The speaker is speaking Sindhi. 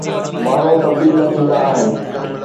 ماڻهو تبديل نه ٿيندا آهن.